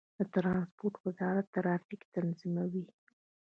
د ترانسپورت وزارت ټرافیک تنظیموي